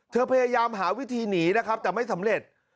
พยายามหาวิธีหนีนะครับแต่ไม่สำเร็จ